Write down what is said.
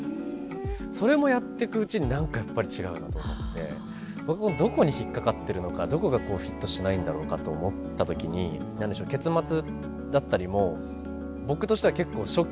それもやってくうちになんかやっぱり違うなと思って僕もどこに引っかかってるのかどこがこうフィットしないんだろうかと思った時に結末だったりも僕としては結構ショッキングな結末だったというか。